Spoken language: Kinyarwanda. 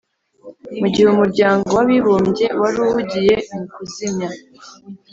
mu gihe umuryango w'abibumbye wari uhugiye mu kuzimya